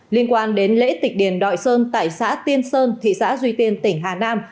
liên quan đến lễ tịch điền đội sơn tại xã tiên sơn thị xã duy tiên tỉnh hà nam